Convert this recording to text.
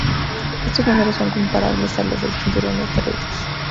Estos números son comparables a los del cinturón de asteroides.